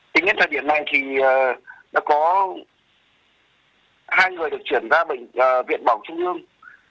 tính đến thời điểm này thì đã có hai người được chuyển ra bệnh viện bảo trung ương